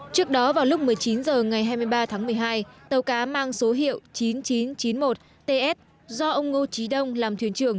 trước đó vào lúc một mươi chín h ngày hai mươi ba tháng một mươi hai tàu cá mang số hiệu chín nghìn chín trăm chín mươi một ts do ông ngô trí đông làm thuyền trưởng